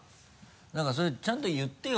何かそういうちゃんと言ってよ